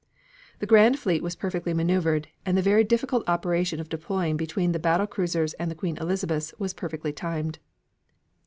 The Grand Fleet was perfectly maneuvered and the very difficult operation of deploying between the battle cruisers and the Queen Elizabeths was perfectly timed.